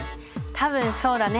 多分そうだね。